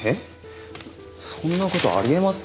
そんな事あり得ます？